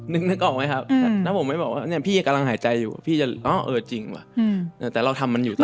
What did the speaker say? นึกออกไหมครับแล้วผมไม่บอกว่าเนี่ยพี่กำลังหายใจอยู่พี่จะจริงว่ะแต่เราทำมันอยู่ต่อ